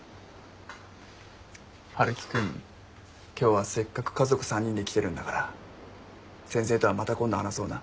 春樹君今日はせっかく家族３人で来てるんだから先生とはまた今度話そうな。